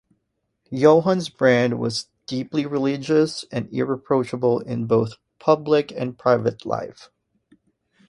Johannes Brand was deeply religious and irreproachable in both public and private life.